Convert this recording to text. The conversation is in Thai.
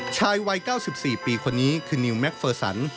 ชายวัย๙๔ปีคนนี้คือนิวแมคเฟอร์สัน